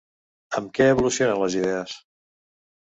Amb què evolucionen les idees?